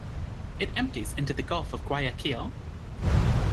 It empties into the Gulf of Guayaquil.